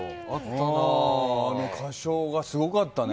あの歌唱がすごかったね。